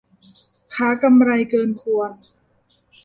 ค้ากำไรเกินควร